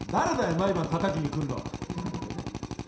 毎晩たたきに来んのは」なんてね。